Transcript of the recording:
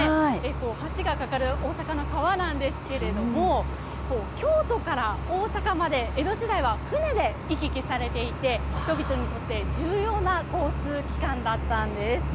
橋が架かる大阪の川なんですけれども京都から大阪まで江戸時代は船で行き来されていて人々にとって重要な交通機関だったんです。